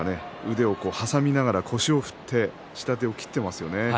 腕を挟みながら腰を振って下手を切っていますね。